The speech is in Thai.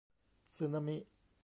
สึนามิ